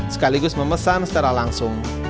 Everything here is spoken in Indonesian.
sekaligus memesan secara langsung